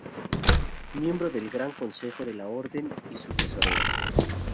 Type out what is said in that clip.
Miembro del Gran Consejo de la Orden y su tesorero.